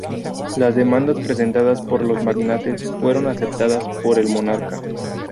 Las demandas presentadas por los magnates fueron aceptadas por el monarca.